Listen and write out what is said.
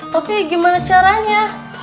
tapi gimana caranya